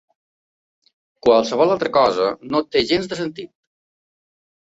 Qualsevol altra cosa no té gens de sentit.